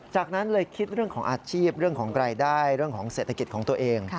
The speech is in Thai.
จากนั้นเลยคิดเรื่องของอาชีพเรื่องของรายได้เรื่องของเศรษฐกิจของตัวเอง